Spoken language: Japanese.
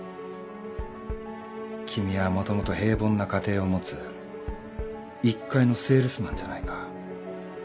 君はもともと平凡な家庭を持つ一介のセールスマンじゃないか。